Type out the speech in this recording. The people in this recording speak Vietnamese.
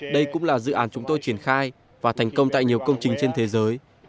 đây cũng là dự án chúng tôi triển khai và thành công tại nhiều công trình trên thế giới